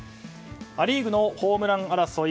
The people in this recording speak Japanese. ア・リーグのホームラン争い